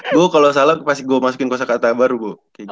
gue kalau salah pas gue masukin kosa kata baru gue